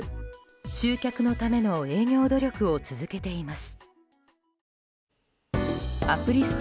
集客のための営業努力を続けています。